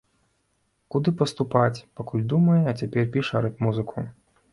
Куды паступаць, пакуль думае, а цяпер піша рэп-музыку.